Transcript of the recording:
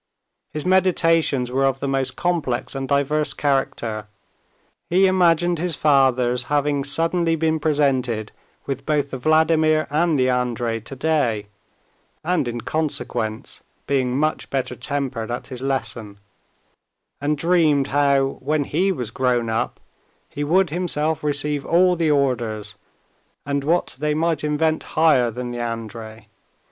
His meditations were of the most complex and diverse character. He imagined his father's having suddenly been presented with both the Vladimir and the Andrey today, and in consequence being much better tempered at his lesson, and dreamed how, when he was grown up, he would himself receive all the orders, and what they might invent higher than the Andrey.